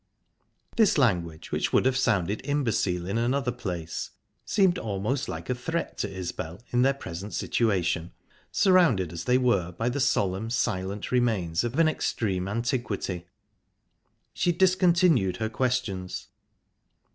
This language, which would have sounded imbecile in another place, seemed almost like a threat to Isbel in their present situation, surrounded as they were by the solemn, silent remains of an extreme antiquity. She discontinued her questions.